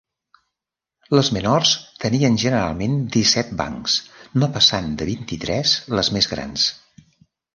Les menors tenien generalment disset bancs, no passant de vint-i-tres les més grans.